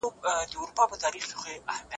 څېړنه د کومو معلوماتو اړتیا لري؟